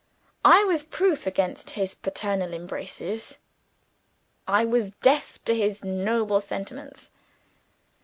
I was proof against his paternal embraces; I was deaf to his noble sentiments.